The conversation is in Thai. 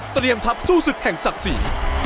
เตรียมทัพสู้สึกแห่งศักดิ์ศรี